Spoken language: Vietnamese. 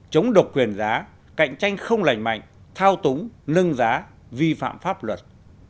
chống độc quyền giá cạnh tranh không lành mạnh thao túng nâng giá vi phạm pháp luật